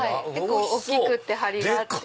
結構大きくて張りがあって。